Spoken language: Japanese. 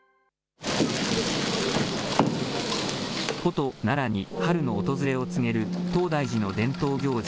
古都・奈良に春の訪れを告げる東大寺の伝統行事、